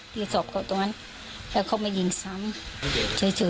ที่สอบเขาตรงนั้นแล้วเขามายิงซ้ำเฉย